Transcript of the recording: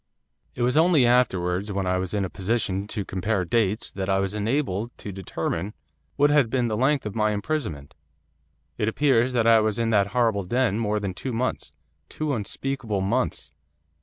'It was only afterwards, when I was in a position to compare dates, that I was enabled to determine what had been the length of my imprisonment. It appears that I was in that horrible den more than two months, two unspeakable months.